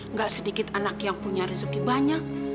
nggak sedikit anak yang punya rezeki banyak